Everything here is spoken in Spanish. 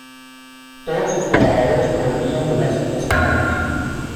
Todos sus trabajadores provenían de las islas Canarias.